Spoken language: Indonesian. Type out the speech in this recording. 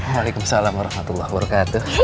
waalaikumsalam warahmatullah wabarakatuh